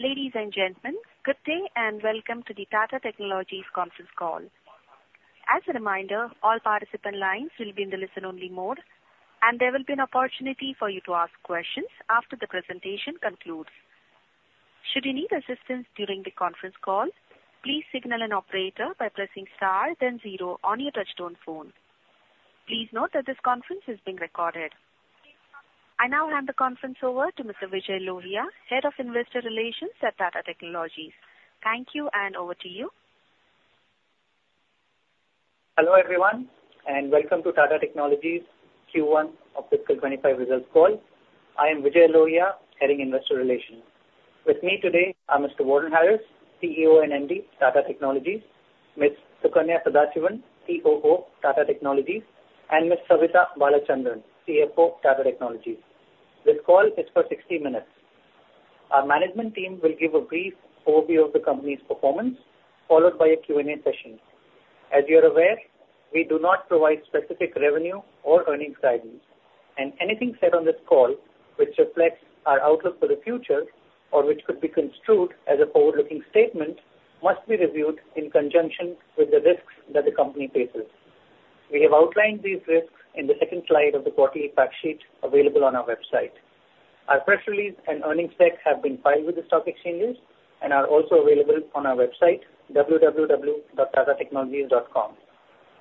Ladies and gentlemen, good day, and welcome to the Tata Technologies Conference Call. As a reminder, all participant lines will be in the listen-only mode, and there will be an opportunity for you to ask questions after the presentation concludes. Should you need assistance during the conference call, please signal an operator by pressing star then zero on your touch-tone phone. Please note that this conference is being recorded. I now hand the conference over to Mr. Vijay Lohia, Head of Investor Relations at Tata Technologies. Thank you, and over to you. Hello, everyone, and welcome to Tata Technologies Q1 of fiscal 2025 results call. I am Vijay Lohia, Head of Investor Relations. With me today are Mr. Warren Harris, CEO and MD, Tata Technologies; Ms. Sukanya Sadasivan, COO, Tata Technologies; and Ms. Savitha Balachandran, CFO, Tata Technologies. This call is for 60 minutes. Our management team will give a brief overview of the company's performance, followed by a Q&A session. As you're aware, we do not provide specific revenue or earnings guidance, and anything said on this call which reflects our outlook for the future, or which could be construed as a forward-looking statement, must be reviewed in conjunction with the risks that the company faces. We have outlined these risks in the second slide of the quarterly fact sheet available on our website. Our press release and earnings deck have been filed with the stock exchanges and are also available on our website, www.tatatechnologies.com.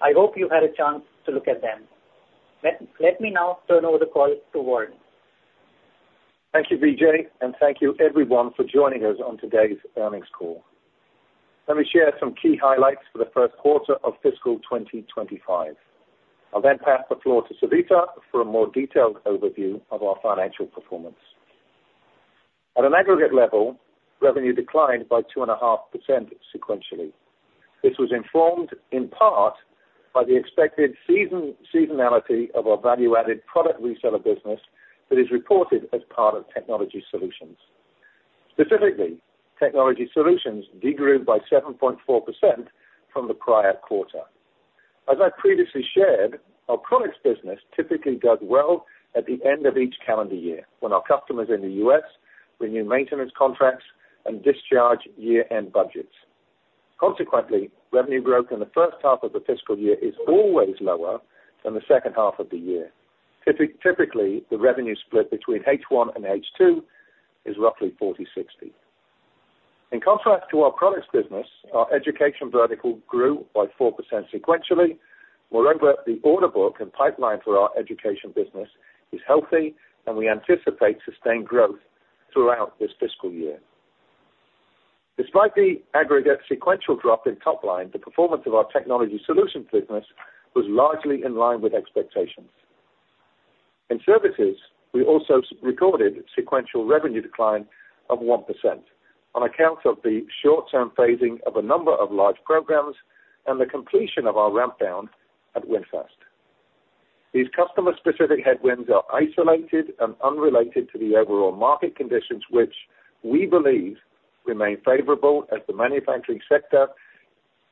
I hope you had a chance to look at them. Let me now turn over the call to Warren. Thank you, Vijay, and thank you everyone for joining us on today's earnings call. Let me share some key highlights for the first quarter of fiscal 2025. I'll then pass the floor to Savitha for a more detailed overview of our financial performance. At an aggregate level, revenue declined by 2.5% sequentially. This was informed in part by the expected seasonality of our value-added product reseller business that is reported as part of technology solutions. Specifically, technology solutions de-grew by 7.4% from the prior quarter. As I previously shared, our products business typically does well at the end of each calendar year, when our customers in the U.S. renew maintenance contracts and discharge year-end budgets. Consequently, revenue growth in the first half of the fiscal year is always lower than the second half of the year. Typically, the revenue split between H1 and H2 is roughly 40/60. In contrast to our products business, our education vertical grew by 4% sequentially. Moreover, the order book and pipeline for our education business is healthy, and we anticipate sustained growth throughout this fiscal year. Despite the aggregate sequential drop in top line, the performance of our technology solutions business was largely in line with expectations. In services, we also recorded sequential revenue decline of 1% on account of the short-term phasing of a number of large programs and the completion of our ramp down at VinFast. These customer-specific headwinds are isolated and unrelated to the overall market conditions, which we believe remain favorable as the manufacturing sector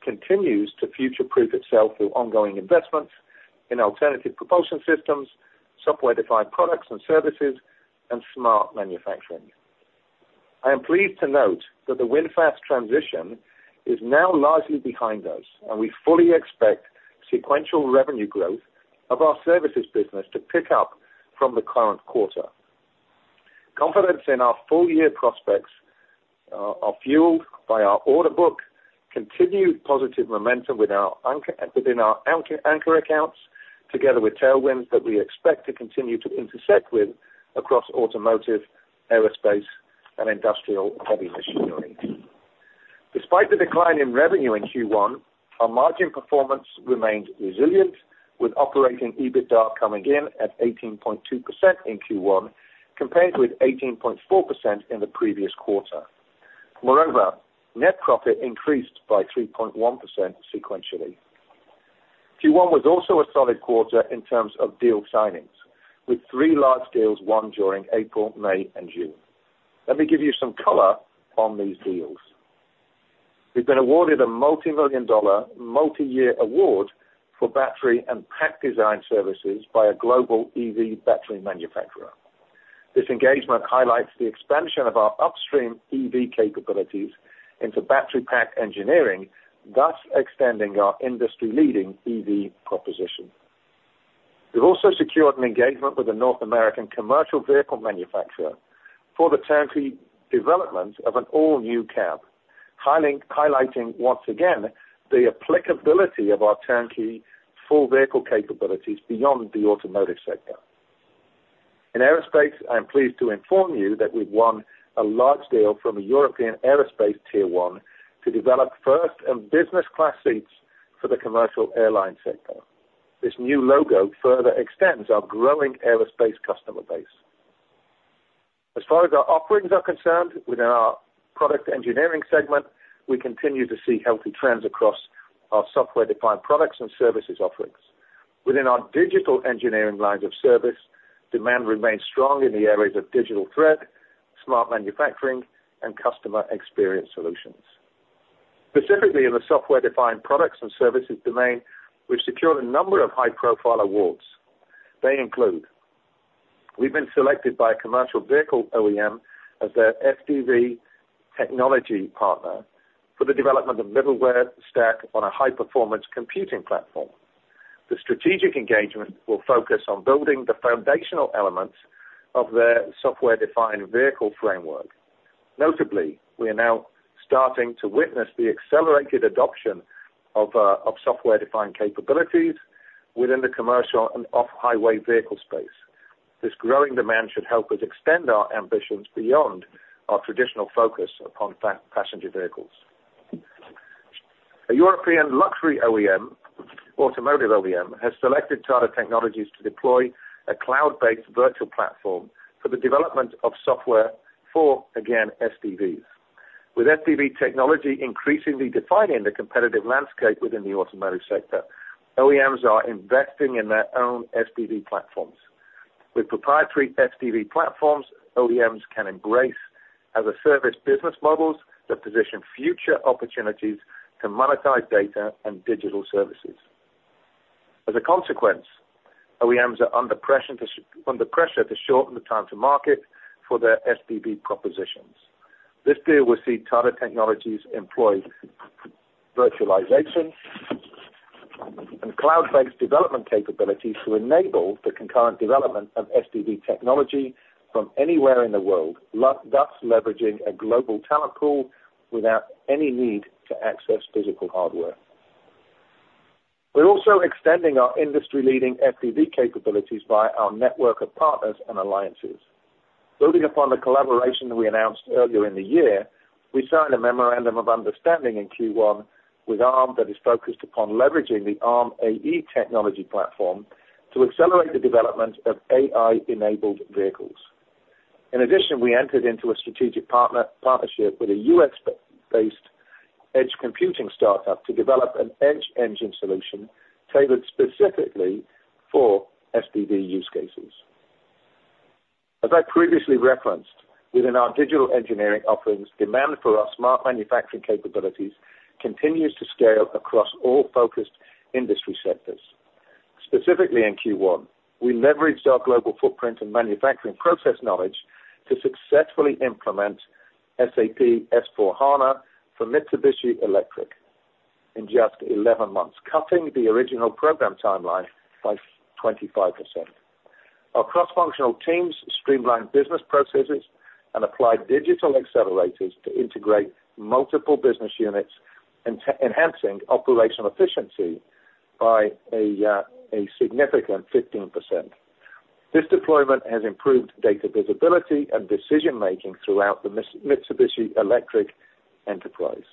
continues to future-proof itself through ongoing investments in alternative propulsion systems, software-defined products and services, and smart manufacturing. I am pleased to note that the VinFast transition is now largely behind us, and we fully expect sequential revenue growth of our services business to pick up from the current quarter. Confidence in our full-year prospects are fueled by our order book, continued positive momentum with our anchor accounts, together with tailwinds that we expect to continue to intersect with across automotive, aerospace, and industrial heavy machinery. Despite the decline in revenue in Q1, our margin performance remained resilient, with operating EBITDA coming in at 18.2% in Q1, compared with 18.4% in the previous quarter. Moreover, net profit increased by 3.1% sequentially. Q1 was also a solid quarter in terms of deal signings, with three large deals won during April, May, and June. Let me give you some color on these deals. We've been awarded a multimillion-dollar, multi-year award for battery and pack design services by a global EV battery manufacturer. This engagement highlights the expansion of our upstream EV capabilities into battery pack engineering, thus extending our industry-leading EV proposition. We've also secured an engagement with a North American commercial vehicle manufacturer for the turnkey development of an all-new cab, highlighting once again, the applicability of our turnkey full vehicle capabilities beyond the automotive sector. In aerospace, I'm pleased to inform you that we've won a large deal from a European aerospace Tier 1 to develop first and business class seats for the commercial airline sector. This new logo further extends our growing aerospace customer base. As far as our offerings are concerned, within our product engineering segment, we continue to see healthy trends across our software-defined products and services offerings. Within our digital engineering lines of service, demand remains strong in the areas of digital thread, smart manufacturing, and customer experience solutions. Specifically in the software-defined products and services domain, we've secured a number of high-profile awards. They include: We've been selected by a commercial vehicle OEM as their SDV technology partner for the development of middleware stack on a high-performance computing platform. The strategic engagement will focus on building the foundational elements of their software-defined vehicle framework. Notably, we are now starting to witness the accelerated adoption of software-defined capabilities within the commercial and off-highway vehicle space. This growing demand should help us extend our ambitions beyond our traditional focus upon passenger vehicles. A European luxury OEM, automotive OEM, has selected Tata Technologies to deploy a cloud-based virtual platform for the development of software for, again, SDVs. With SDV technology increasingly defining the competitive landscape within the automotive sector, OEMs are investing in their own SDV platforms. With proprietary SDV platforms, OEMs can embrace as-a-service business models that position future opportunities to monetize data and digital services. As a consequence, OEMs are under pressure to shorten the time to market for their SDV propositions. This deal will see Tata Technologies employ virtualization and cloud-based development capabilities to enable the concurrent development of SDV technology from anywhere in the world, thus leveraging a global talent pool without any need to access physical hardware. We're also extending our industry-leading SDV capabilities by our network of partners and alliances. Building upon the collaboration that we announced earlier in the year, we signed a memorandum of understanding in Q1 with Arm that is focused upon leveraging the Arm AE technology platform to accelerate the development of AI-enabled vehicles. In addition, we entered into a strategic partnership with a US-based edge computing startup to develop an edge engine solution tailored specifically for SDV use cases. As I previously referenced, within our digital engineering offerings, demand for our smart manufacturing capabilities continues to scale across all focused industry sectors. Specifically, in Q1, we leveraged our global footprint and manufacturing process knowledge to successfully implement SAP S/4HANA for Mitsubishi Electric in just 11 months, cutting the original program timeline by 25%. Our cross-functional teams streamlined business processes and applied digital accelerators to integrate multiple business units, enhancing operational efficiency by a significant 15%. This deployment has improved data visibility and decision-making throughout the Mitsubishi Electric enterprise.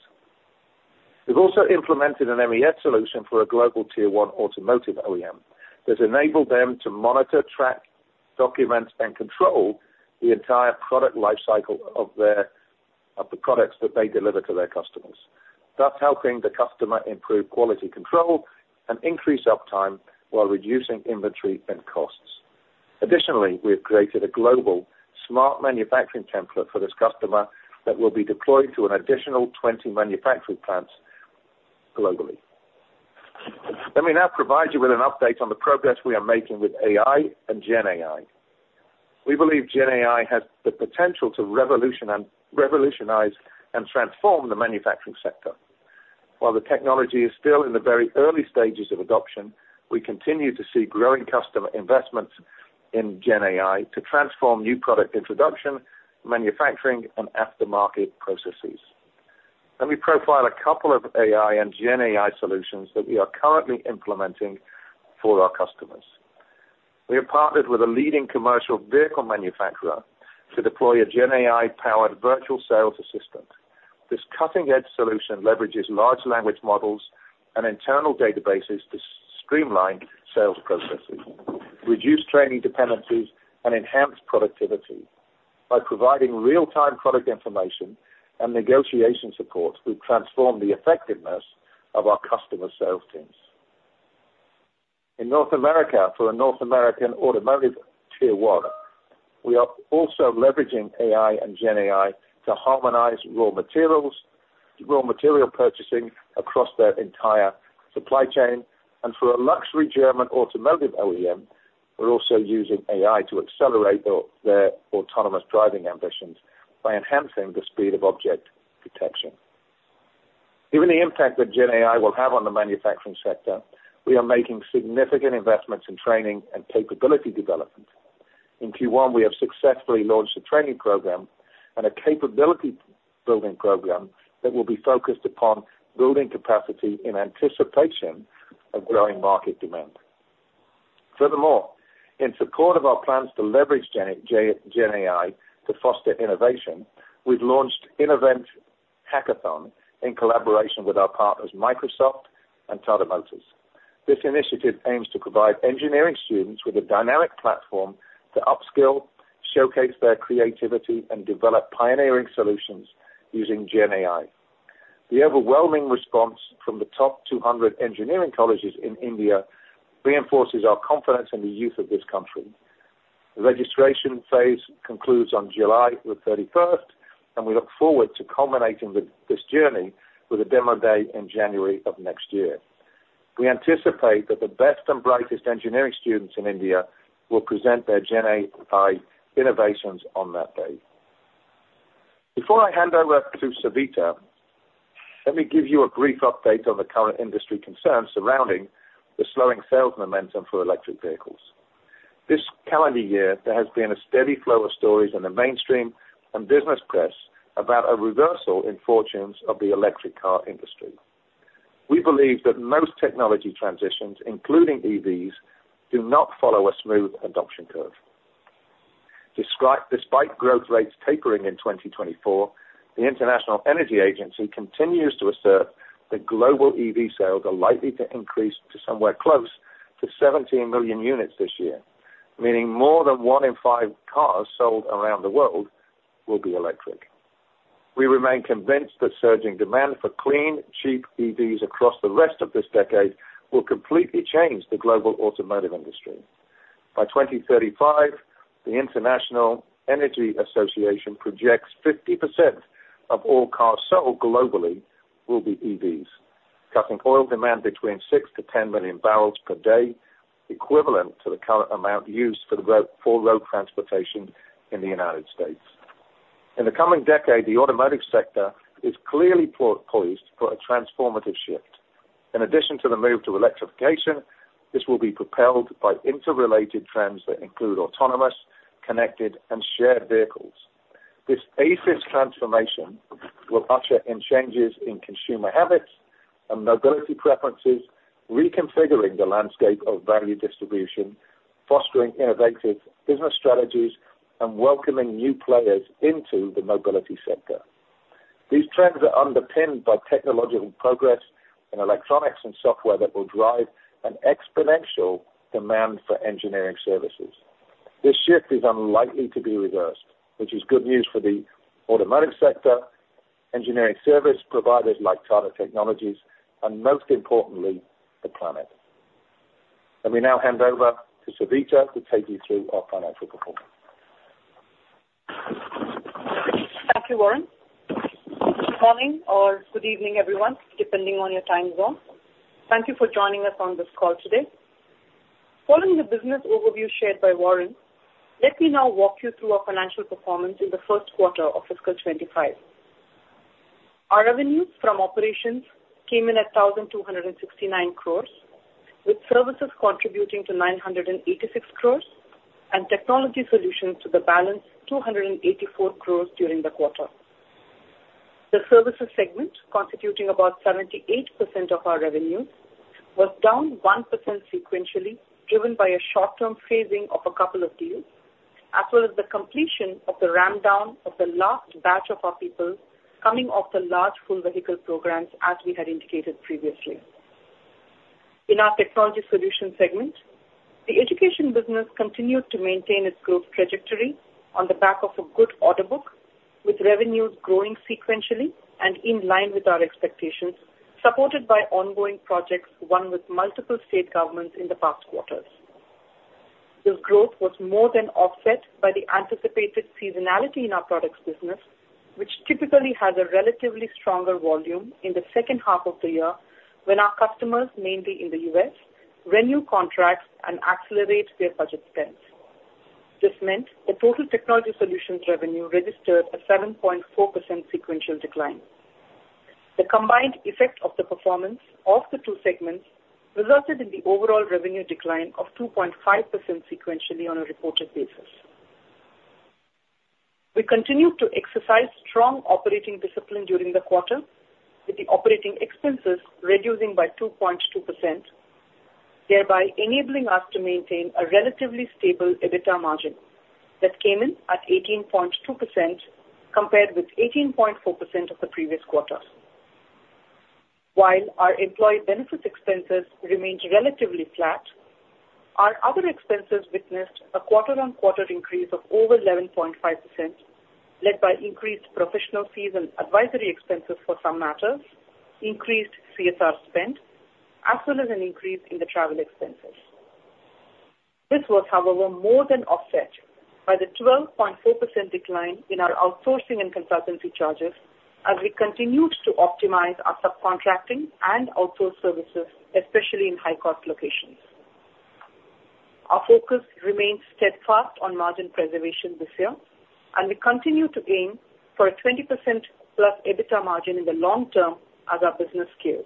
We've also implemented an MES solution for a global Tier 1 automotive OEM that enabled them to monitor, track, document, and control the entire product life cycle of the products that they deliver to their customers, thus helping the customer improve quality control and increase uptime while reducing inventory and costs. Additionally, we have created a global smart manufacturing template for this customer that will be deployed to an additional 20 manufacturing plants globally. Let me now provide you with an update on the progress we are making with AI and GenAI. We believe GenAI has the potential to revolutionize and transform the manufacturing sector. While the technology is still in the very early stages of adoption, we continue to see growing customer investments in GenAI to transform new product introduction, manufacturing, and aftermarket processes. Let me profile a couple of AI and GenAI solutions that we are currently implementing for our customers. We have partnered with a leading commercial vehicle manufacturer to deploy a GenAI-powered virtual sales assistant. This cutting-edge solution leverages large language models and internal databases to streamline sales processes, reduce training dependencies, and enhance productivity by providing real-time product information and negotiation support to transform the effectiveness of our customer sales teams. In North America, for a North American automotive Tier 1, we are also leveraging AI and GenAI to harmonize raw materials, raw material purchasing across their entire supply chain. For a luxury German automotive OEM, we're also using AI to accelerate their autonomous driving ambitions by enhancing the speed of object detection. Given the impact that GenAI will have on the manufacturing sector, we are making significant investments in training and capability development. In Q1, we have successfully launched a training program and a capability building program that will be focused upon building capacity in anticipation of growing market demand. Furthermore, in support of our plans to leverage GenAI to foster innovation, we've launched InnoVent Hackathon in collaboration with our partners, Microsoft and Tata Motors. This initiative aims to provide engineering students with a dynamic platform to upskill, showcase their creativity, and develop pioneering solutions using GenAI. The overwhelming response from the top 200 engineering colleges in India reinforces our confidence in the youth of this country. The registration phase concludes on July 31st, and we look forward to culminating with this journey with a demo day in January of next year. We anticipate that the best and brightest engineering students in India will present their GenAI innovations on that day. Before I hand over to Savitha, let me give you a brief update on the current industry concerns surrounding the slowing sales momentum for electric vehicles. This calendar year, there has been a steady flow of stories in the mainstream and business press about a reversal in fortunes of the electric car industry. We believe that most technology transitions, including EVs, do not follow a smooth adoption curve. Despite growth rates tapering in 2024, the International Energy Agency continues to assert that global EV sales are likely to increase to somewhere close to 17 million units this year, meaning more than 1 in 5 cars sold around the world will be electric. We remain convinced that surging demand for clean, cheap EVs across the rest of this decade will completely change the global automotive industry. By 2035, the International Energy Agency projects 50% of all cars sold globally will be EVs, cutting oil demand between 6 million-10 million barrels per day, equivalent to the current amount used for road transportation in the United States. In the coming decade, the automotive sector is clearly poised for a transformative shift. In addition to the move to electrification, this will be propelled by interrelated trends that include autonomous, connected, and shared vehicles. This ACES transformation will usher in changes in consumer habits and mobility preferences, reconfiguring the landscape of value distribution, fostering innovative business strategies, and welcoming new players into the mobility sector. These trends are underpinned by technological progress in electronics and software that will drive an exponential demand for engineering services. This shift is unlikely to be reversed, which is good news for the automotive sector, engineering service providers like Tata Technologies, and most importantly, the planet. Let me now hand over to Savitha to take you through our financial performance. Thank you, Warren. Good morning or good evening, everyone, depending on your time zone. Thank you for joining us on this call today. Following the business overview shared by Warren, let me now walk you through our financial performance in the first quarter of fiscal 2025. Our revenues from operations came in at 1,269 crores, with services contributing to 986 crores and technology solutions to the balance, 284 crores during the quarter. The services segment, constituting about 78% of our revenue, was down 1% sequentially, driven by a short-term phasing of a couple of deals, as well as the completion of the ramp down of the last batch of our people coming off the large full vehicle programs, as we had indicated previously. In our technology solutions segment, the education business continued to maintain its growth trajectory on the back of a good order book, with revenues growing sequentially and in line with our expectations, supported by ongoing projects won with multiple state governments in the past quarters. This growth was more than offset by the anticipated seasonality in our products business, which typically has a relatively stronger volume in the second half of the year, when our customers, mainly in the U.S., renew contracts and accelerate their budget spends. This meant the total technology solutions revenue registered a 7.4% sequential decline. The combined effect of the performance of the two segments resulted in the overall revenue decline of 2.5% sequentially on a reported basis. We continued to exercise strong operating discipline during the quarter, with the operating expenses reducing by 2.2%, thereby enabling us to maintain a relatively stable EBITDA margin that came in at 18.2%, compared with 18.4% of the previous quarter. While our employee benefits expenses remained relatively flat, our other expenses witnessed a quarter-on-quarter increase of over 11.5%, led by increased professional fees and advisory expenses for some matters, increased CSR spend, as well as an increase in the travel expenses. This was, however, more than offset by the 12.4% decline in our outsourcing and consultancy charges as we continued to optimize our subcontracting and outsourced services, especially in high-cost locations. Our focus remains steadfast on margin preservation this year, and we continue to aim for a 20%+ EBITDA margin in the long term as our business scales.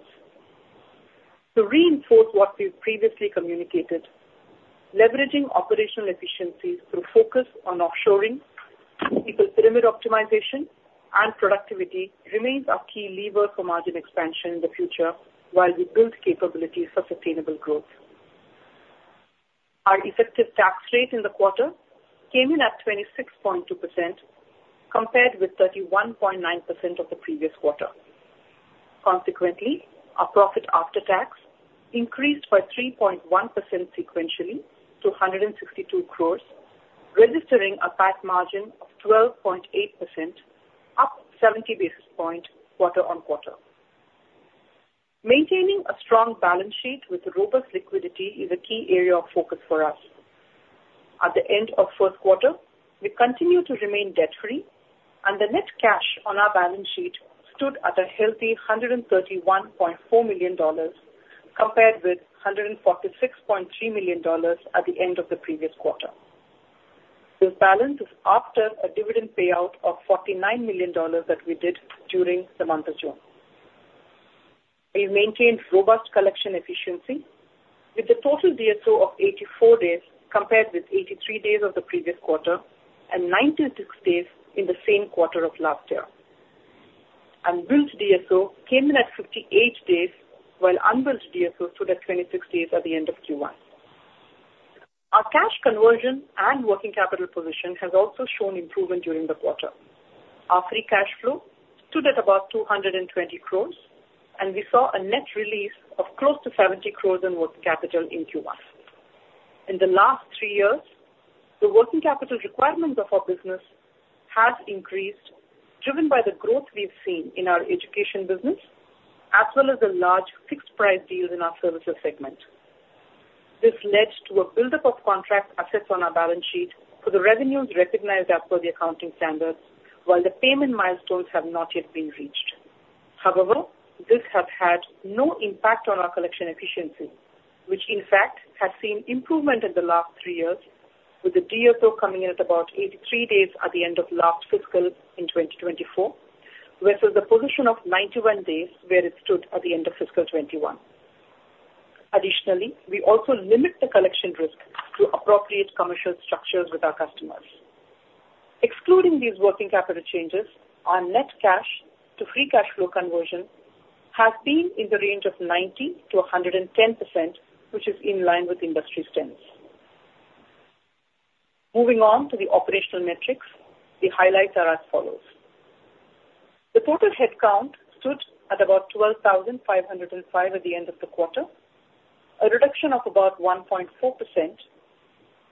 To reinforce what we've previously communicated, leveraging operational efficiencies through focus on offshoring, people pyramid optimization, and productivity remains our key lever for margin expansion in the future, while we build capabilities for sustainable growth. Our effective tax rate in the quarter came in at 26.2%, compared with 31.9% of the previous quarter. Consequently, our profit after tax increased by 3.1% sequentially to 162 crore, registering a PAT margin of 12.8%, up 70 basis points, quarter-on-quarter. Maintaining a strong balance sheet with robust liquidity is a key area of focus for us. At the end of first quarter, we continue to remain debt-free, and the net cash on our balance sheet stood at a healthy $131.4 million, compared with $146.3 million at the end of the previous quarter. This balance is after a dividend payout of $49 million that we did during the month of June. We've maintained robust collection efficiency, with a total DSO of 84 days, compared with 83 days of the previous quarter and 96 days in the same quarter of last year. Unbilled DSO came in at 58 days, while billed DSO stood at 26 days at the end of Q1. Our cash conversion and working capital position has also shown improvement during the quarter. Our free cash flow stood at about 220 crores, and we saw a net release of close to 70 crores in working capital in Q1. In the last three years, the working capital requirements of our business has increased, driven by the growth we've seen in our education business, as well as the large fixed price deals in our services segment. This led to a buildup of contract assets on our balance sheet for the revenues recognized as per the accounting standards, while the payment milestones have not yet been reached. However, this has had no impact on our collection efficiency, which in fact has seen improvement in the last three years, with the DSO coming in at about 83 days at the end of last fiscal in 2024, versus the position of 91 days where it stood at the end of fiscal 2021. Additionally, we also limit the collection risk to appropriate commercial structures with our customers. Excluding these working capital changes, our net cash to free cash flow conversion has been in the range of 90%-110%, which is in line with industry standards. Moving on to the operational metrics, the highlights are as follows: The total headcount stood at about 12,505 at the end of the quarter, a reduction of about 1.4%,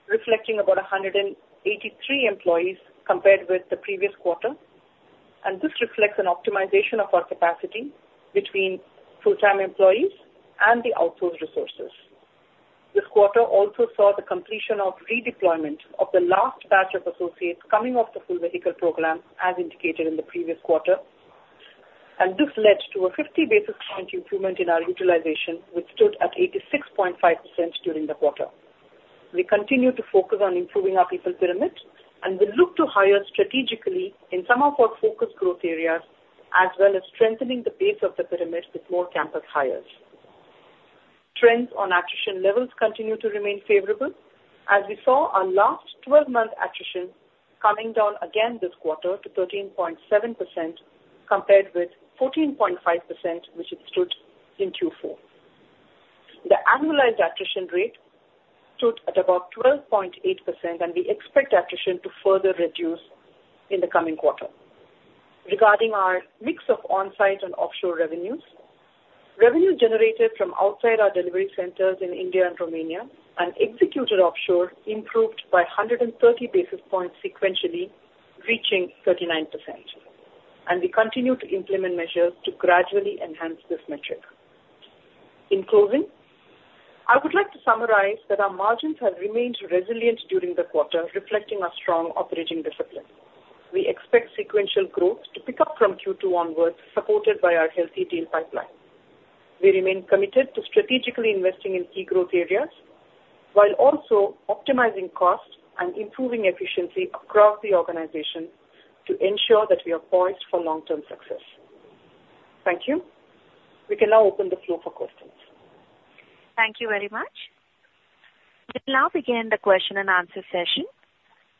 reflecting about 183 employees compared with the previous quarter. And this reflects an optimization of our capacity between full-time employees and the outsourced resources. This quarter also saw the completion of redeployment of the last batch of associates coming off the full vehicle program, as indicated in the previous quarter. This led to a 50 basis point improvement in our utilization, which stood at 86.5% during the quarter. We continue to focus on improving our people pyramid, and we look to hire strategically in some of our focus growth areas, as well as strengthening the base of the pyramid with more campus hires. Trends on attrition levels continue to remain favorable, as we saw our last 12-month attrition coming down again this quarter to 13.7%, compared with 14.5%, which it stood in Q4. The annualized attrition rate stood at about 12.8%, and we expect attrition to further reduce in the coming quarter. Regarding our mix of on-site and offshore revenues, revenue generated from outside our delivery centers in India and Romania and executed offshore improved by 130 basis points sequentially, reaching 39%, and we continue to implement measures to gradually enhance this metric. In closing, I would like to summarize that our margins have remained resilient during the quarter, reflecting our strong operating discipline. We expect sequential growth to pick up from Q2 onwards, supported by our healthy deal pipeline. We remain committed to strategically investing in key growth areas, while also optimizing costs and improving efficiency across the organization to ensure that we are poised for long-term success. Thank you. We can now open the floor for questions. Thank you very much. We'll now begin the question and answer session.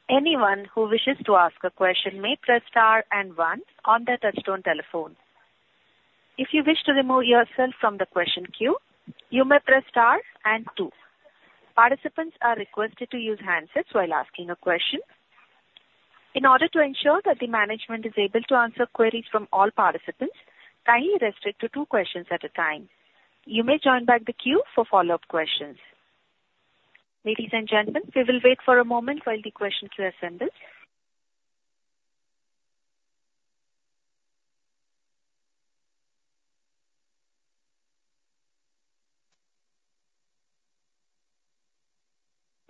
Anyone who wishes to ask a question may press star and one on their touchtone telephone. If you wish to remove yourself from the question queue, you may press star and two. Participants are requested to use handsets while asking a question. In order to ensure that the management is able to answer queries from all participants, kindly restrict to two questions at a time. You may join back the queue for follow-up questions. Ladies and gentlemen, we will wait for a moment while the questions are assembled.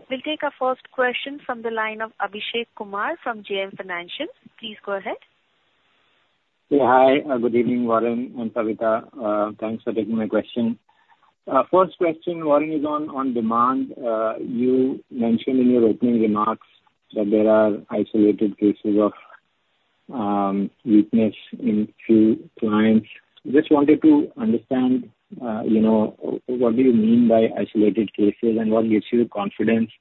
We'll take our first question from the line of Abhishek Kumar from JM Financial. Please go ahead. Yeah, hi, good evening, Warren and Savitha. Thanks for taking my question. First question, Warren, is on, on demand. You mentioned in your opening remarks that there are isolated cases of weakness in few clients. Just wanted to understand, you know, what do you mean by isolated cases, and what gives you the confidence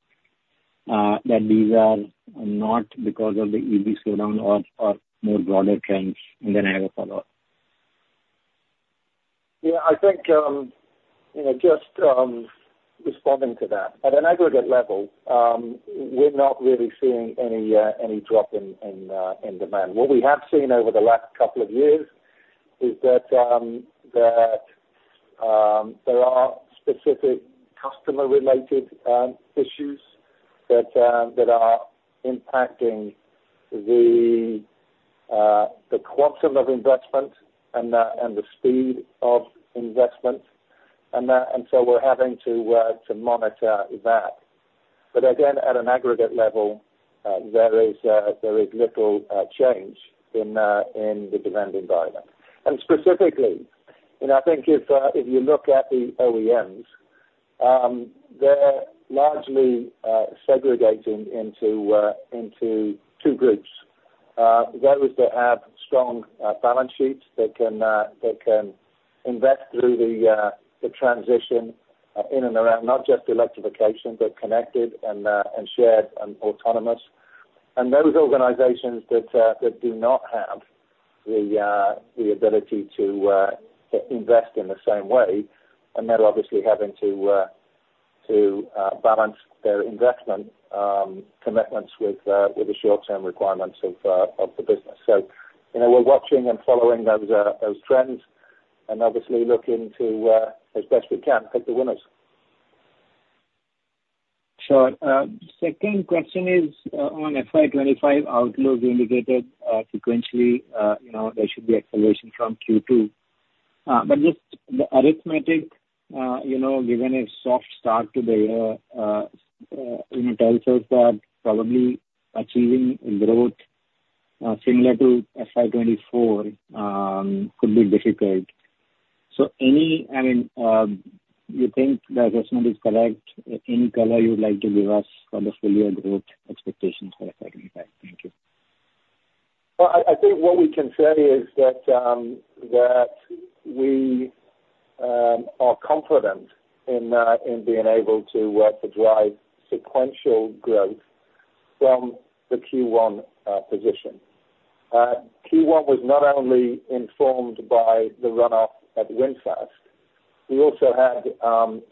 that these are not because of the EV slowdown or, or more broader trends? And then I have a follow-up. Yeah, I think, you know, just responding to that. At an aggregate level, we're not really seeing any drop in demand. What we have seen over the last couple of years is that there are specific customer-related issues that are impacting the quantum of investment and the speed of investment. And so we're having to monitor that. But again, at an aggregate level, there is little change in the demand environment. And specifically, I think if you look at the OEMs, they're largely segregating into two groups. Those that have strong balance sheets that can invest through the transition in and around, not just electrification, but connected and shared and autonomous. And those organizations that do not have the ability to invest in the same way, and they're obviously having to balance their investment commitments with the short-term requirements of the business. So, you know, we're watching and following those trends, and obviously looking to, as best we can, pick the winners. Sure. Second question is, on FY 2025 outlook, you indicated, sequentially, you know, there should be acceleration from Q2. But just the arithmetic, you know, given a soft start to the year, you know, tells us that probably achieving growth, similar to FY 2024, could be difficult. So any, I mean, you think the assessment is correct? Any color you would like to give us on the full year growth expectations for FY 2025? Thank you. Well, I think what we can say is that that we are confident in being able to drive sequential growth from the Q1 position. Q1 was not only informed by the runoff at VinFast, we also had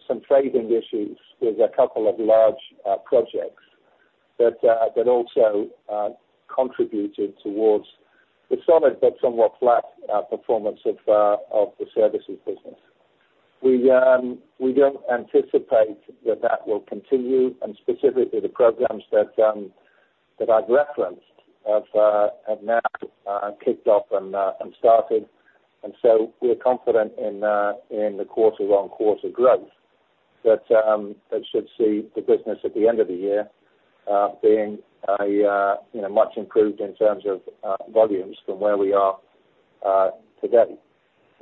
some trading issues with a couple of large projects that also contributed towards the solid but somewhat flat performance of the services business. We don't anticipate that that will continue, and specifically the programs that I've referenced have now kicked off and started. And so we're confident in the quarter-on-quarter growth, that should see the business at the end of the year being a you know much improved in terms of volumes from where we are today.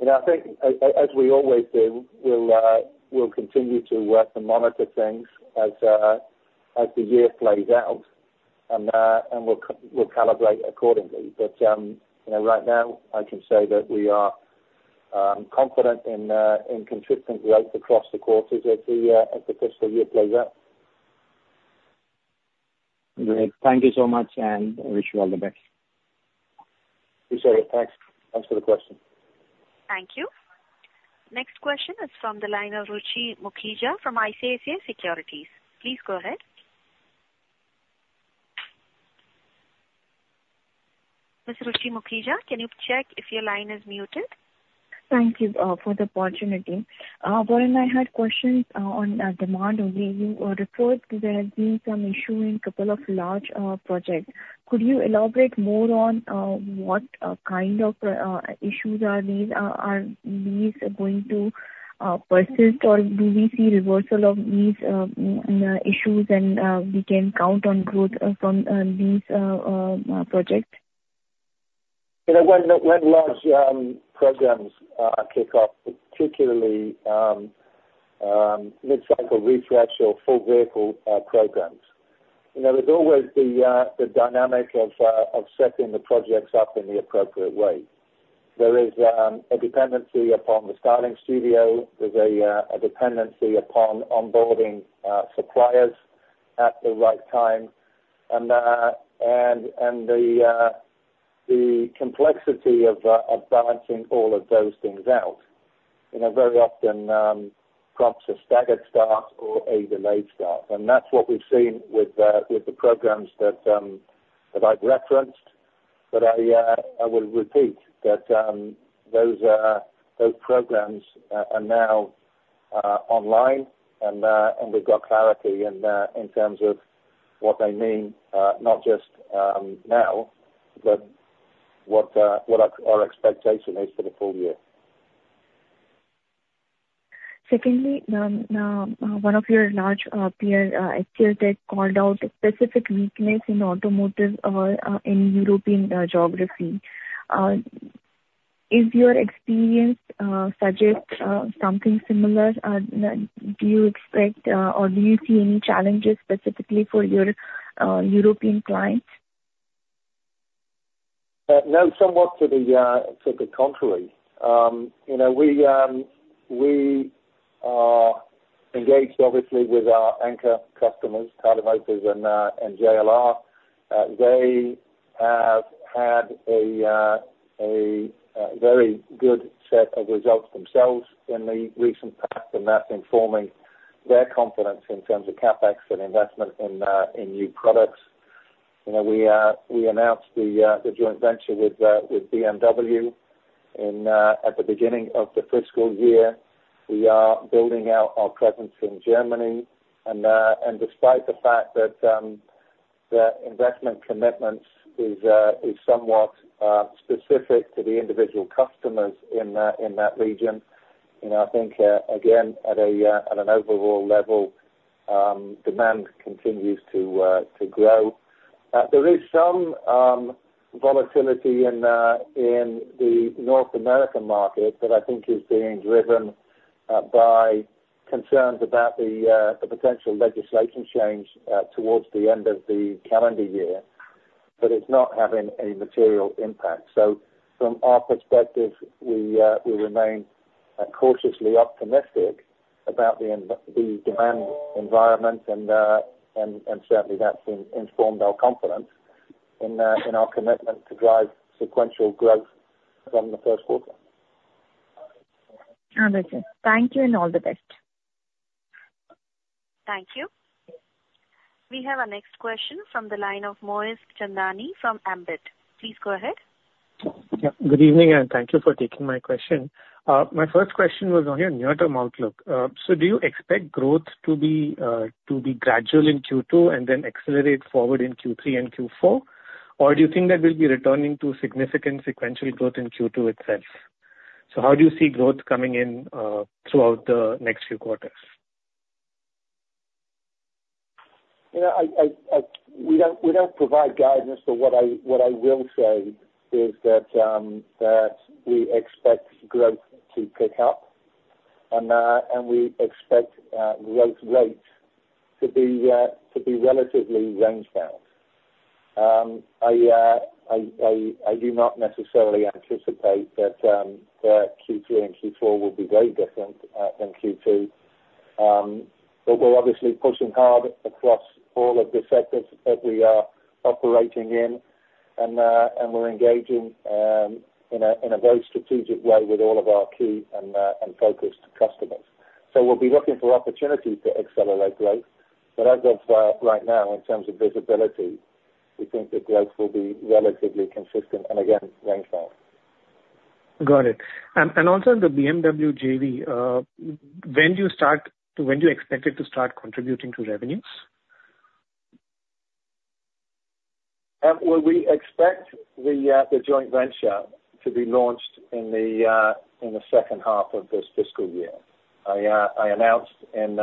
You know, I think as we always do, we'll continue to work and monitor things as the year plays out, and we'll calibrate accordingly. But, you know, right now, I can say that we are confident in consistent growth across the quarters as the fiscal year plays out. Great. Thank you so much, and I wish you all the best. Thanks. Thanks for the question. Thank you. Next question is from the line of Ruchi Mukhija from ICICI Securities. Please go ahead. Ms. Ruchi Mukhija, can you check if your line is muted? Thank you for the opportunity. Warren, I had questions on demand. Where you referred to there being some issue in a couple of large projects. Could you elaborate more on what kind of issues are these? Are these going to persist, or do we see reversal of these issues and we can count on growth from these projects? You know, when large programs kick off, particularly mid-cycle refresh or full vehicle programs, you know, there's always the dynamic of setting the projects up in the appropriate way. There is a dependency upon the styling studio. There's a dependency upon onboarding suppliers at the right time, and the complexity of balancing all of those things out, you know, very often prompts a staggered start or a delayed start. And that's what we've seen with the programs that I've referenced. But I will repeat that those programs are now online, and we've got clarity in terms of what they mean, not just now, but what our expectation is for the full year. Secondly, one of your large peers actually called out specific weakness in automotive or in European geography. Is your experience suggest something similar? Do you expect or do you see any challenges specifically for your European clients? No, somewhat to the contrary. You know, we are engaged obviously with our anchor customers, Tata Motors and JLR. They have had a very good set of results themselves in the recent past, and that's informing their confidence in terms of CapEx and investment in new products. You know, we announced the joint venture with BMW at the beginning of the fiscal year. We are building out our presence in Germany, and despite the fact that the investment commitments is somewhat specific to the individual customers in that region, you know, I think, again, at an overall level, demand continues to grow. There is some volatility in the North American market that I think is being driven by concerns about the potential legislation change towards the end of the calendar year, but it's not having a material impact. So from our perspective, we remain cautiously optimistic about the demand environment, and certainly that's informed our confidence in our commitment to drive sequential growth from the first quarter. Understood. Thank you, and all the best. Thank you. We have our next question from the line of Moez Chandani from Ambit. Please go ahead. Yeah. Good evening, and thank you for taking my question. My first question was on your near-term outlook. So do you expect growth to be to be gradual in Q2 and then accelerate forward in Q3 and Q4? Or do you think that we'll be returning to significant sequential growth in Q2 itself? So how do you see growth coming in throughout the next few quarters? You know, we don't provide guidance, but what I will say is that we expect growth to pick up, and we expect growth rates to be relatively range-bound. I do not necessarily anticipate that Q3 and Q4 will be very different than Q2. But we're obviously pushing hard across all of the sectors that we are operating in, and we're engaging in a very strategic way with all of our key and focused customers. So we'll be looking for opportunities to accelerate growth. But as of right now, in terms of visibility, we think that growth will be relatively consistent and again, range-bound. Got it. And also the BMW JV, when do you start, when do you expect it to start contributing to revenues? Well, we expect the joint venture to be launched in the second half of this fiscal year. I announced in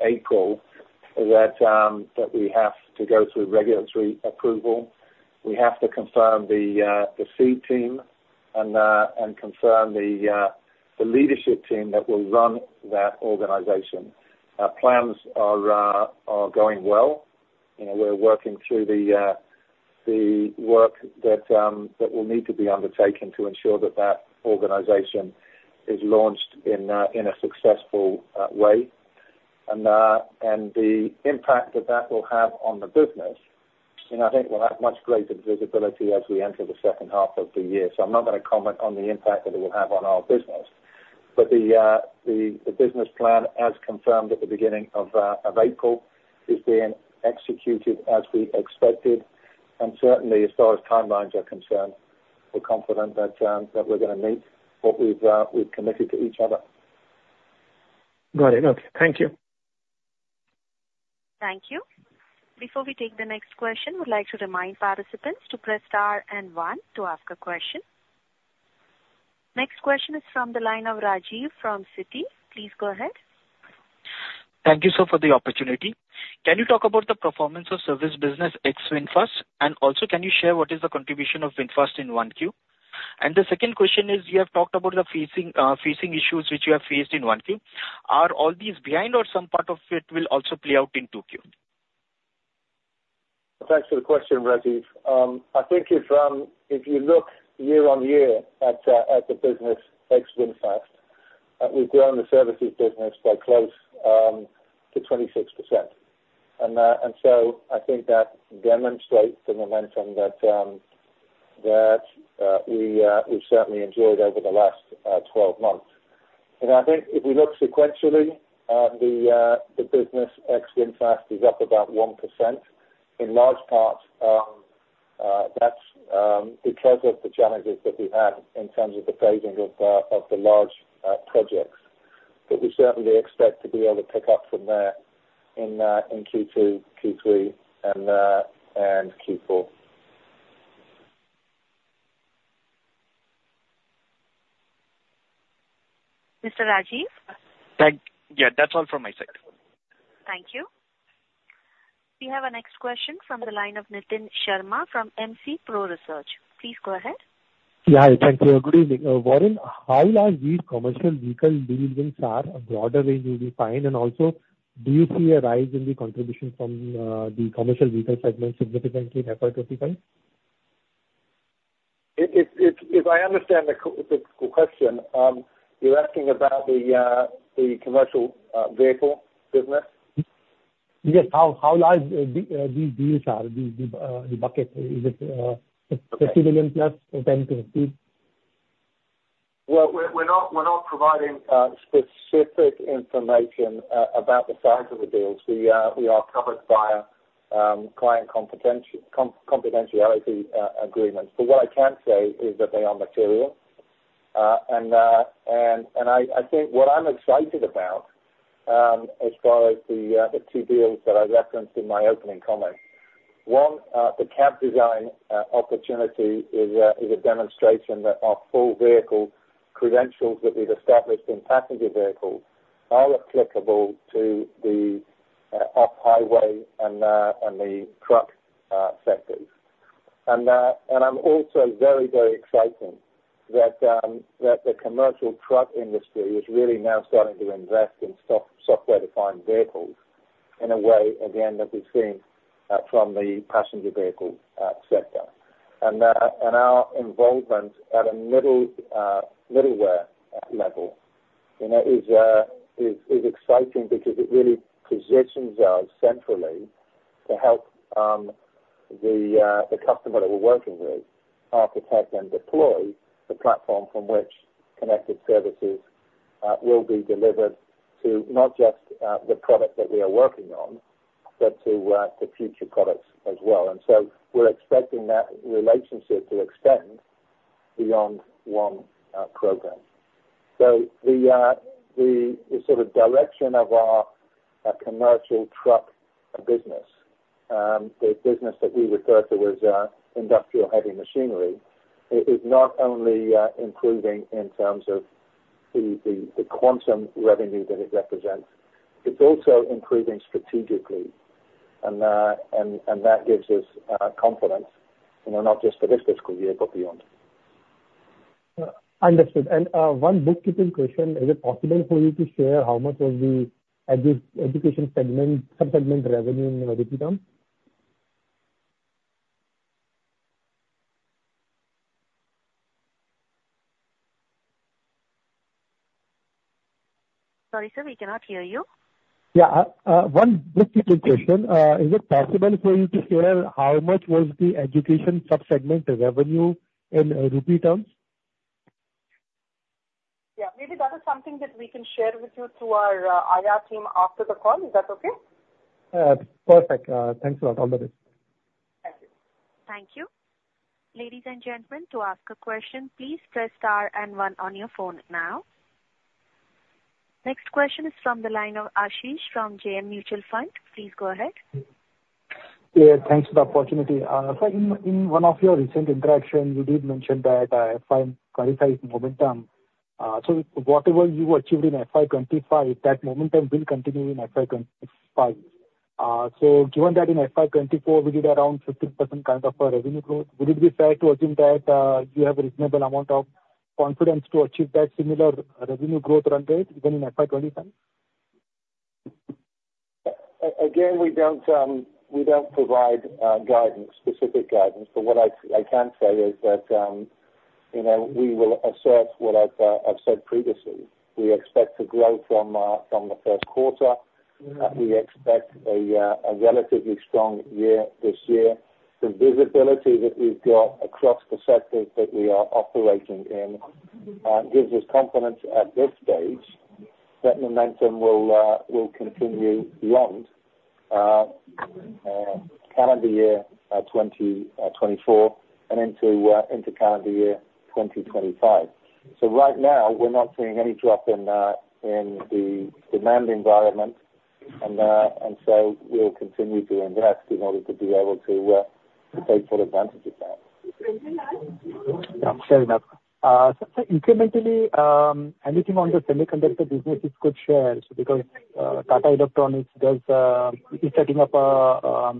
April that we have to go through regulatory approval. We have to confirm the C-team and confirm the leadership team that will run that organization. Our plans are going well. You know, we're working through the work that will need to be undertaken to ensure that that organization is launched in a successful way. And the impact that that will have on the business, you know, I think we'll have much greater visibility as we enter the second half of the year. So I'm not gonna comment on the impact that it will have on our business. But the business plan, as confirmed at the beginning of April, is being executed as we expected, and certainly as far as timelines are concerned, we're confident that we're gonna meet what we've committed to each other. Got it. Okay. Thank you. Thank you. Before we take the next question, I would like to remind participants to press star and one to ask a question. Next question is from the line of Rajiv from Citi. Please go ahead. Thank you, sir, for the opportunity. Can you talk about the performance of service business ex VinFast, and also can you share what is the contribution of VinFast in 1Q? The second question is, you have talked about the phasing issues which you have faced in 1Q. Are all these behind or some part of it will also play out in 2Q? Thanks for the question, Rajiv. I think if you look year-on-year at the business ex VinFast, we've grown the services business by close to 26%. And so I think that demonstrates the momentum that we certainly enjoyed over the last 12 months. And I think if we look sequentially, the business ex VinFast is up about 1%. In large part, that's because of the challenges that we had in terms of the phasing of the large projects. But we certainly expect to be able to pick up from there in Q2, Q3, and Q4. Mr. Rajiv? Thank... Yeah, that's all from my side. Thank you. We have our next question from the line of Nitin Sharma from MC Pro Research. Please go ahead. Yeah. Thank you. Good evening. Warren, how large these commercial vehicle dealings are, a broader range will be fine? And also, do you see a rise in the contribution from, the commercial vehicle segment significantly in FY 2025? If I understand the question, you're asking about the commercial vehicle business? Yes. How large these deals are, the bucket? Is it $50 million+ or $10 million-$50 million? Well, we're not providing specific information about the size of the deals. We are covered by client confidentiality agreements. But what I can say is that they are material. And I think what I'm excited about, as far as the two deals that I referenced in my opening comment, one, the cab design opportunity is a demonstration that our full vehicle credentials that we've established in passenger vehicles are applicable to the off-highway and the truck sectors. And I'm also very, very exciting that the commercial truck industry is really now starting to invest in software-defined vehicles in a way, again, that we've seen from the passenger vehicle sector. And our involvement at a middleware level, you know, is exciting because it really positions us centrally to help the customer that we're working with architect and deploy the platform from which connected services will be delivered to not just the product that we are working on, but to future products as well. And so we're expecting that relationship to extend beyond one program. So the sort of direction of our commercial truck business, the business that we refer to as industrial heavy machinery, is not only improving in terms of the quantum revenue that it represents, it's also improving strategically. And that gives us confidence, you know, not just for this fiscal year, but beyond. Understood. One bookkeeping question: is it possible for you to share how much was the education segment, sub-segment revenue in rupee terms? Sorry, sir, we cannot hear you. Yeah. One bookkeeping question. Is it possible for you to share how much was the education sub-segment revenue in rupee terms? Yeah, maybe that is something that we can share with you through our IR team after the call. Is that okay? Perfect. Thanks a lot. All the best. Thank you. Thank you. Ladies and gentlemen, to ask a question, please press star and one on your phone now. Next question is from the line of Ashish from JM Mutual Fund. Please go ahead. Yeah, thanks for the opportunity. So in, in one of your recent interactions, you did mention that FY 2025 momentum. So whatever you achieved in FY 2025, that momentum will continue in FY 2025. So given that in FY 2024, we did around 15% kind of a revenue growth, would it be fair to assume that you have a reasonable amount of confidence to achieve that similar revenue growth run rate even in FY 2025? Again, we don't, we don't provide guidance, specific guidance, but what I can say is that, you know, we will assert what I've said previously. We expect to grow from the first quarter. We expect a relatively strong year this year. The visibility that we've got across the sectors that we are operating in gives us confidence at this stage that momentum will continue beyond calendar year 2024, and into calendar year 2025. So right now, we're not seeing any drop in the demand environment, and so we'll continue to invest in order to be able to take full advantage of that. Fair enough. So incrementally, anything on the semiconductor business you could share? Because Tata Electronics is setting up a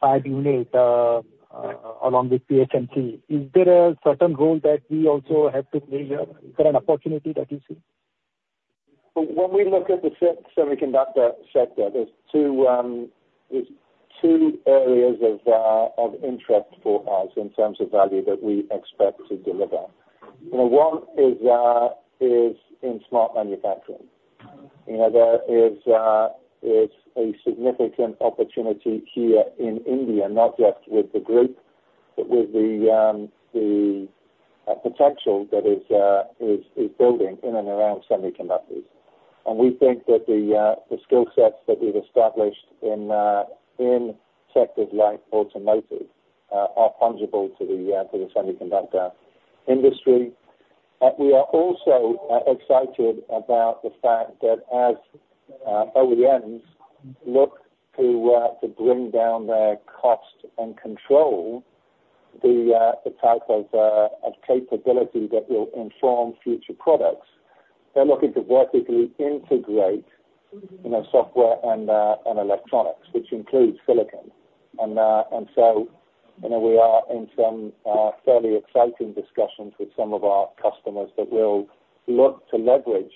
fab unit along with PSMC. Is there a certain role that we also have to play here? Is there an opportunity that you see? When we look at the semiconductor sector, there's two areas of interest for us in terms of value that we expect to deliver. You know, one is in smart manufacturing. You know, there is a significant opportunity here in India, not just with the group, but with the potential that is building in and around semiconductors. And we think that the skill sets that we've established in sectors like automotive are fungible to the semiconductor industry. We are also excited about the fact that as OEMs look to bring down their cost and control, the type of capability that will inform future products, they're looking to vertically integrate, you know, software and electronics, which includes silicon. And so, you know, we are in some fairly exciting discussions with some of our customers that will look to leverage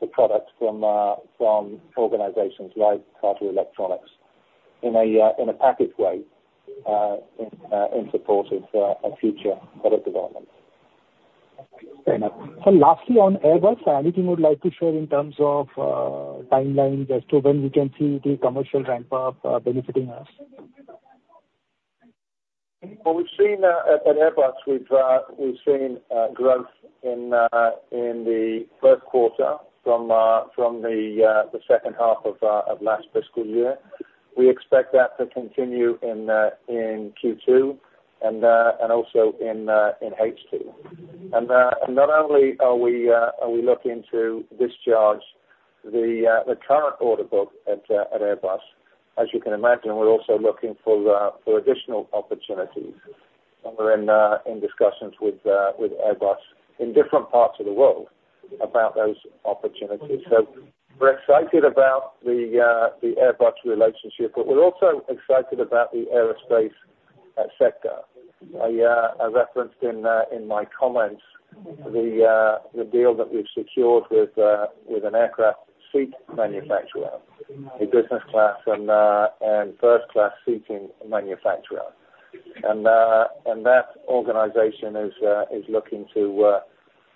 the products from organizations like Tata Electronics in a packaged way, in support of a future product development. Fair enough. So lastly, on Airbus, anything you would like to share in terms of timelines as to when we can see the commercial ramp-up benefiting us? Well, we've seen at Airbus growth in the first quarter from the second half of last fiscal year. We expect that to continue in Q2 and also in H2. And not only are we looking to discharge the current order book at Airbus, as you can imagine, we're also looking for additional opportunities. And we're in discussions with Airbus in different parts of the world about those opportunities. So we're excited about the Airbus relationship, but we're also excited about the aerospace sector. I referenced in my comments the deal that we've secured with an aircraft seat manufacturer, a business class and first class seating manufacturer. That organization is looking to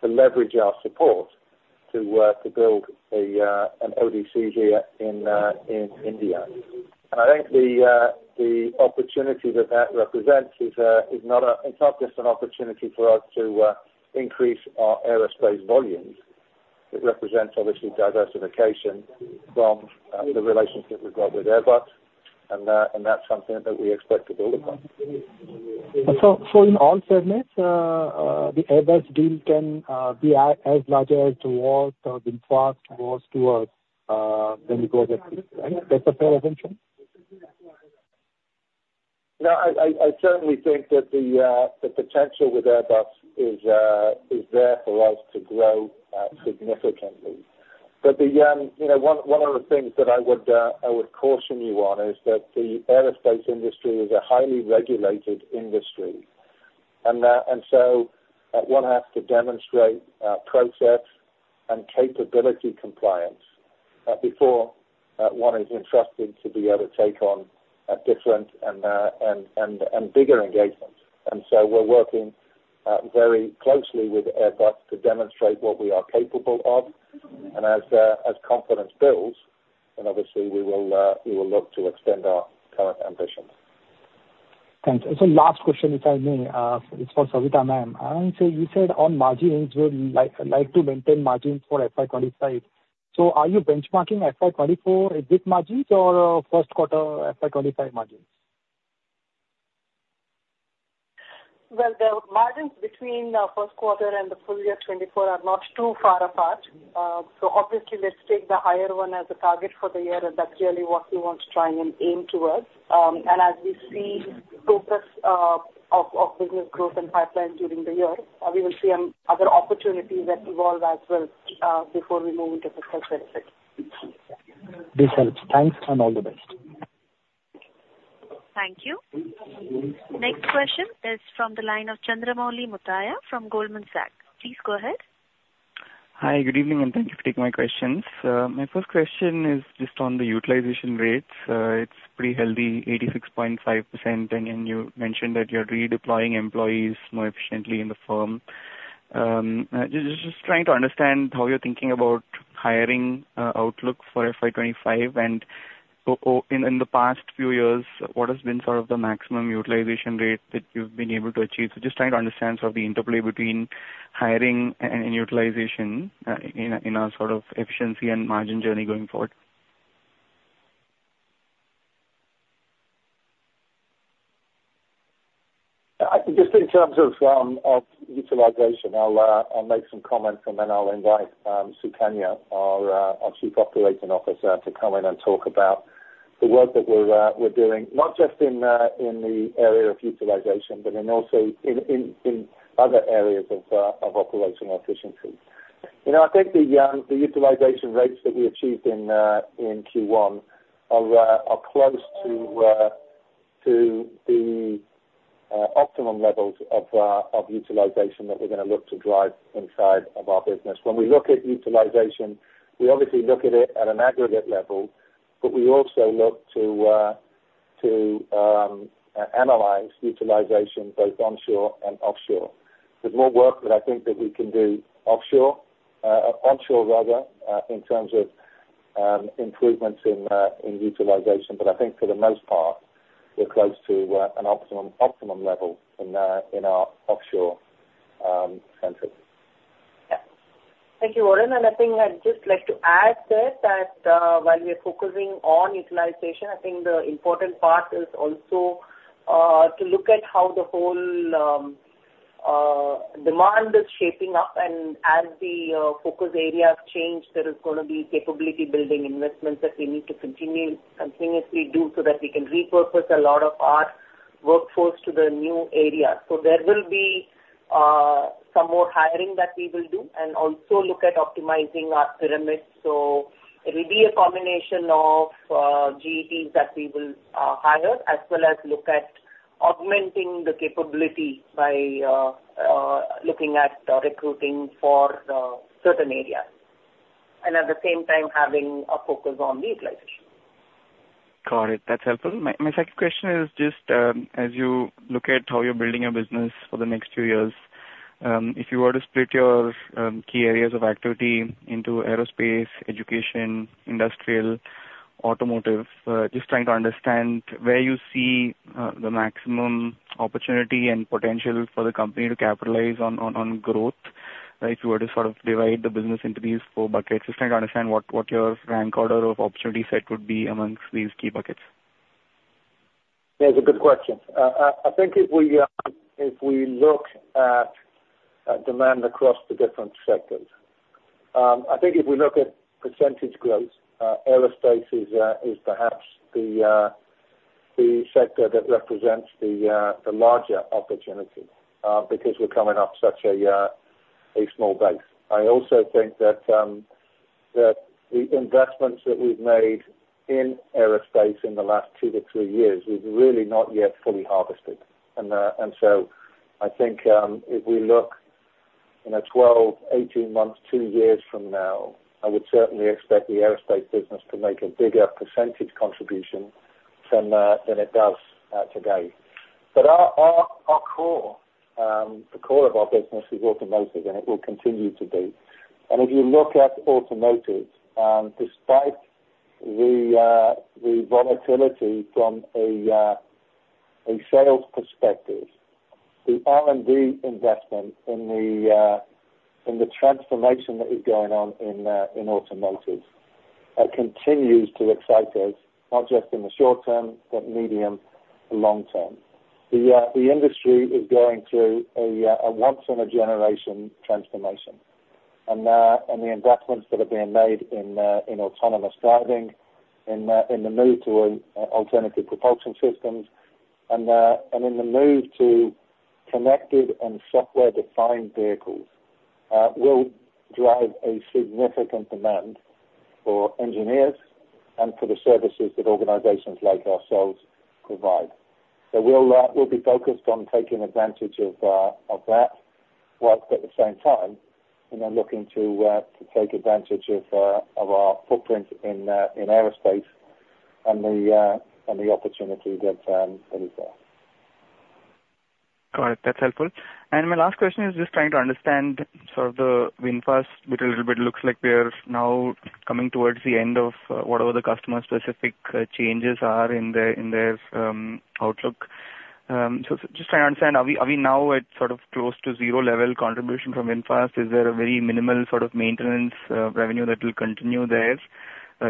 leverage our support to build an ODC here in India. I think the opportunity that that represents is not—it's not just an opportunity for us to increase our aerospace volumes. It represents obviously diversification from the relationship we've got with Airbus, and that's something that we expect to build upon. So in all segments, the Airbus deal can be as large as towards, in fact, towards when we go there, right? That's the presentation? No, I certainly think that the potential with Airbus is there for us to grow significantly. But you know, one of the things that I would caution you on is that the aerospace industry is a highly regulated industry. And so one has to demonstrate process and capability compliance before one is entrusted to be able to take on different and bigger engagements. And so we're working very closely with Airbus to demonstrate what we are capable of. And as confidence builds, then obviously we will look to extend our current ambitions. Thanks. So last question, if I may, is for Savitha Ma'am. So you said on margins, you would like, like to maintain margins for FY 2025. So are you benchmarking FY 2024 EBIT margins or first quarter FY 2025 margins? Well, the margins between the first quarter and the full year 2024 are not too far apart. So obviously let's take the higher one as a target for the year, and that's really what we want to try and aim towards. And as we see focus of business growth and pipeline during the year, we will see other opportunities that evolve as well, before we move into fiscal 2025. This helps. Thanks, and all the best. Thank you. Next question is from the line of Chandramouli Muthiah from Goldman Sachs. Please go ahead. Hi, good evening, and thank you for taking my questions. My first question is just on the utilization rates. It's pretty healthy, 86.5%, and then you mentioned that you're redeploying employees more efficiently in the firm. Just trying to understand how you're thinking about hiring outlook for FY 2025, and in the past few years, what has been sort of the maximum utilization rate that you've been able to achieve? So just trying to understand sort of the interplay between hiring and utilization in a sort of efficiency and margin journey going forward. I think just in terms of utilization, I'll make some comments and then I'll invite Sukanya, our Chief Operating Officer, to come in and talk about the work that we're doing, not just in the area of utilization, but also in other areas of operational efficiency. You know, I think the utilization rates that we achieved in Q1 are close to the optimum levels of utilization that we're gonna look to drive inside of our business. When we look at utilization, we obviously look at it at an aggregate level, but we also look to analyze utilization both onshore and offshore. There's more work that I think that we can do offshore, onshore rather, in terms of improvements in utilization, but I think for the most part, we're close to an optimum, optimum level in our offshore centers. Thank you, Warren, and I think I'd just like to add there that while we are focusing on utilization, I think the important part is also to look at how the whole demand is shaping up. And as the focus areas change, there is gonna be capability building investments that we need to continue continuously do so that we can repurpose a lot of our workforce to the new areas. So there will be some more hiring that we will do, and also look at optimizing our pyramids. So it will be a combination of GETs that we will hire, as well as look at augmenting the capability by looking at recruiting for certain areas, and at the same time having a focus on the utilization. Got it. That's helpful. My second question is just, as you look at how you're building your business for the next two years. If you were to split your key areas of activity into aerospace, education, industrial, automotive, just trying to understand where you see the maximum opportunity and potential for the company to capitalize on, on, on growth. If you were to sort of divide the business into these four buckets, just trying to understand what, what your rank order of opportunity set would be amongst these key buckets. That's a good question. I think if we look at demand across the different sectors, I think if we look at percentage growth, aerospace is perhaps the sector that represents the larger opportunity, because we're coming off such a small base. I also think that the investments that we've made in aerospace in the last 2-3 years is really not yet fully harvested. And so I think if we look in a 12, 18 months, 2 years from now, I would certainly expect the aerospace business to make a bigger percentage contribution than it does today. But our core, the core of our business is automotive, and it will continue to be. And if you look at automotive, despite the volatility from a sales perspective, the R&D investment in the transformation that is going on in automotive continues to excite us, not just in the short term, but medium and long term. The industry is going through a once-in-a-generation transformation. And the investments that are being made in autonomous driving, in the move to a alternative propulsion systems, and in the move to connected and software-defined vehicles will drive a significant demand for engineers and for the services that organizations like ourselves provide. So we'll be focused on taking advantage of that, whilst at the same time, and then looking to take advantage of our footprint in aerospace and the opportunity that is there. All right. That's helpful. And my last question is just trying to understand sort of the VinFast, which a little bit looks like we are now coming towards the end of, whatever the customer-specific changes are in their outlook. So just trying to understand, are we now at sort of close to zero level contribution from VinFast? Is there a very minimal sort of maintenance revenue that will continue there?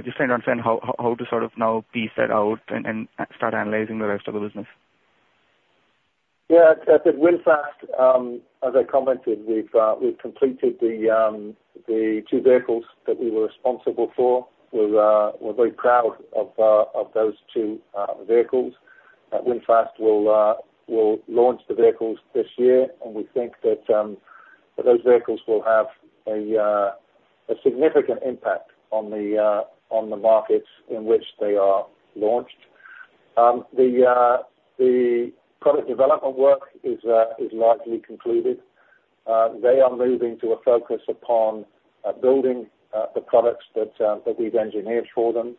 Just trying to understand how to sort of now piece that out and start analyzing the rest of the business. Yeah. At VinFast, as I commented, we've completed the two vehicles that we were responsible for. We're very proud of those two vehicles. VinFast will launch the vehicles this year, and we think that those vehicles will have a significant impact on the markets in which they are launched. The product development work is largely concluded. They are moving to a focus upon building the products that we've engineered for them.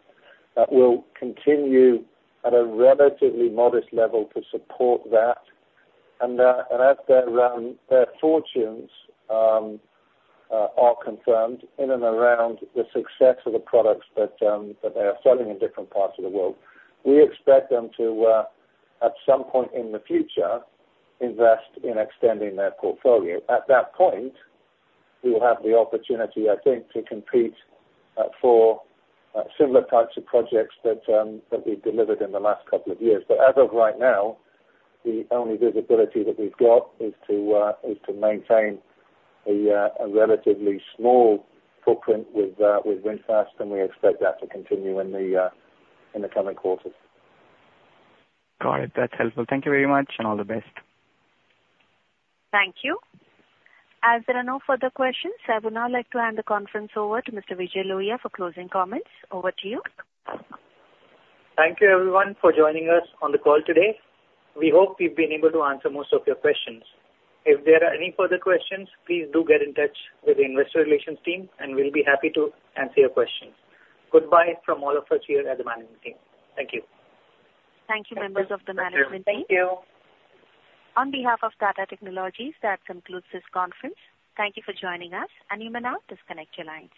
That will continue at a relatively modest level to support that. And as their fortunes are confirmed in and around the success of the products that they are selling in different parts of the world, we expect them to, at some point in the future, invest in extending their portfolio. At that point, we will have the opportunity, I think, to compete for similar types of projects that we've delivered in the last couple of years. But as of right now, the only visibility that we've got is to maintain a relatively small footprint with VinFast, and we expect that to continue in the coming quarters. Got it. That's helpful. Thank you very much, and all the best. Thank you. As there are no further questions, I would now like to hand the conference over to Mr. Vijay Lohia for closing comments. Over to you. Thank you, everyone, for joining us on the call today. We hope we've been able to answer most of your questions. If there are any further questions, please do get in touch with the investor relations team, and we'll be happy to answer your questions. Goodbye from all of us here at the management team. Thank you. Thank you, members of the management team. Thank you. On behalf of Tata Technologies, that concludes this conference. Thank you for joining us, and you may now disconnect your line.